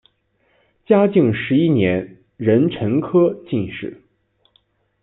嘉靖十一年壬辰科进士。